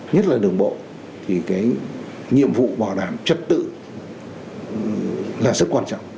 nhất là đường bộ thì cái nhiệm vụ bảo đảm trật tự là rất quan trọng